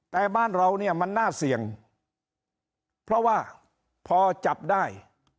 แต่บ้านเราเนี่ยมันน่าเสี่ยงเพราะว่าพอจับได้